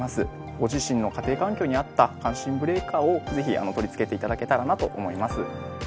ご自身の家庭環境に合った感震ブレーカーをぜひ取り付けて頂けたらなと思います。